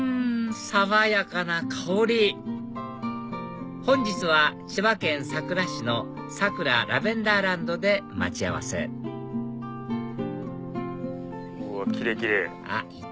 爽やかな香り本日は千葉県佐倉市の佐倉ラベンダーランドで待ち合わせキレイキレイ！